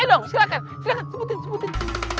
silahkan silahkan sebutin sebutin